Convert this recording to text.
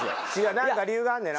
何か理由があんねんな。